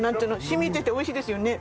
染みてて美味しいですよね。